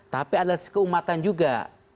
tapi ada realitas keumatan juga